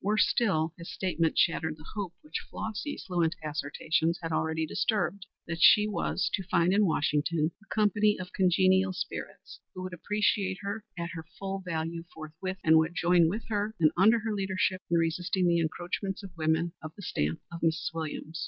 Worse still, his statement shattered the hope, which Flossy's fluent assertions had already disturbed, that she was to find in Washington a company of congenial spirits who would appreciate her at her full value forthwith, and would join with her and under her leadership in resisting the encroachments of women of the stamp of Mrs. Williams.